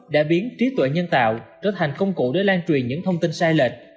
đã biến trí tuệ nhân tạo trở thành công cụ để lan truyền những thông tin sai lệch